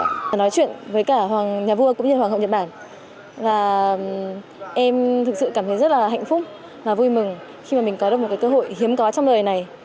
em nói chuyện với cả nhà vua cũng như hoàng hậu nhật bản và em thực sự cảm thấy rất là hạnh phúc và vui mừng khi mà mình có được một cái cơ hội hiếm có trong đời này